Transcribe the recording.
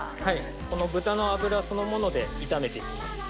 この豚の脂そのもので炒めて行きます。